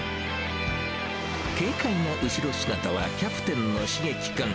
軽快な後ろ姿は、キャプテンの蒼基君。